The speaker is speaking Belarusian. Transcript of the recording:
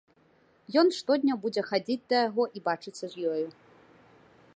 Ён штодня будзе хадзіць да яго і бачыцца з ёю.